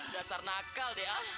dasar nakal deh ah